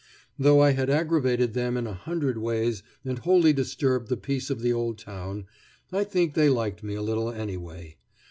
Though I had aggravated them in a hundred ways and wholly disturbed the peace of the old town, I think they liked me a little, anyway.